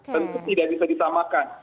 tentu tidak bisa disamakan